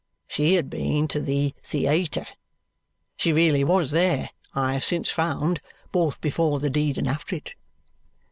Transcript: She had been to the theayter. (She really was there, I have since found, both before the deed and after it.)